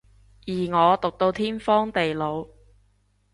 而我毒到天荒地老